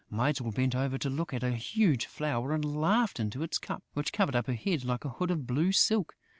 Mytyl bent over to look at a huge flower and laughed into its cup, which covered up her head like a hood of blue silk.